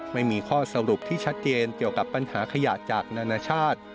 ไม่มีข้อสรุปที่ชัดเจนเกี่ยวกับปัญหาขยะจากนานาชาติ